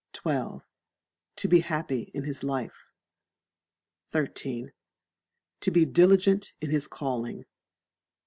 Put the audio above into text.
xii. To be happy in his life. xiii. To be diligent in his calling.